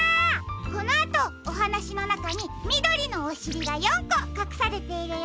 このあとおはなしのなかにみどりのおしりが４こかくされているよ。